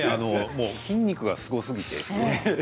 もう筋肉がすごすぎて。